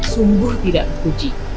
sungguh tidak berpuji